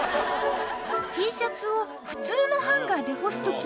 Ｔ シャツを普通のハンガーで干す時